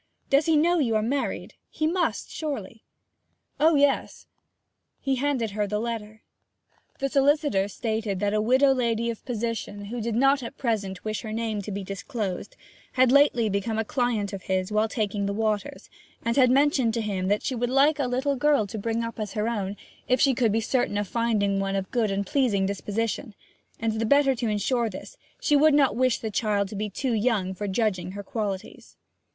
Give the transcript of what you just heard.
Does he know you are married? He must, surely.' 'Oh yes!' He handed her the letter. The solicitor stated that a widow lady of position, who did not at present wish her name to be disclosed, had lately become a client of his while taking the waters, and had mentioned to him that she would like a little girl to bring up as her own, if she could be certain of finding one of good and pleasing disposition; and, the better to insure this, she would not wish the child to be too young for judging her qualities.